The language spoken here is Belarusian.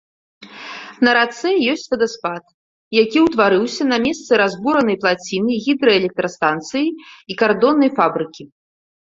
На рацэ ёсць вадаспад, які ўтварыўся на месцы разбуранай плаціны гідраэлектрастанцыі і кардоннай фабрыкі.